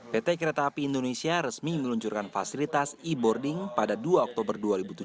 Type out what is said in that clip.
pt kereta api indonesia resmi meluncurkan fasilitas e boarding pada dua oktober dua ribu tujuh belas